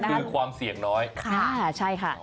คือความเสี่ยงน้อย